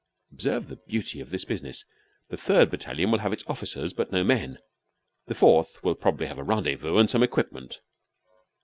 Observe the beauty of this business. The third battalion will have its officers, but no men; the fourth will probably have a rendezvous and some equipment.